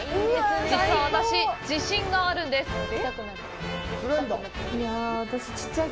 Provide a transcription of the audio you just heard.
実は、私、自信があるんです。